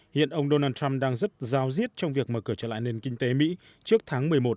hiện ông donald trump đang rất giao diết trong việc mở cửa trở lại nền kinh tế mỹ trước tháng một mươi một